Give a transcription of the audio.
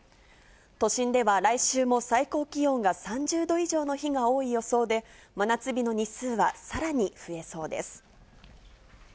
都心では来週も最高気温が３０度以上の日が多い予想で、真夏日の日数はさらに増えそうです。